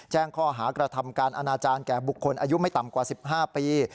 แจ้งข้อหากระทำการอนาจารย์แก่บุคคลอายุไม่ต่ำกว่า๑๕ปี